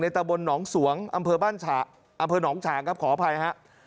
ในตะบนหนองสวงอำเภอหนองฉางครับขออภัยครับ